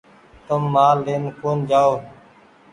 تم مآل لين ڪون جآئو